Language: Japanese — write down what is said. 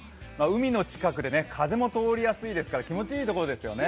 海の近くで風も通りやすいですから気持ちいいところですよね。